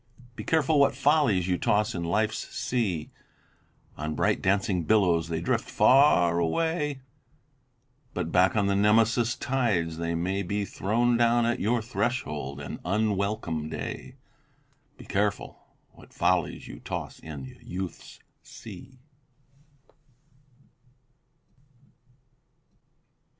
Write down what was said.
Be careful what follies you toss in life's sea. On bright dancing billows they drift far away, But back on the Nemesis tides they may be Thrown down at your threshold an unwelcome day Be careful what follies you toss in youth's sea.